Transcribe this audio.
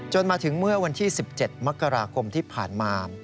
มาถึงเมื่อวันที่๑๗มกราคมที่ผ่านมา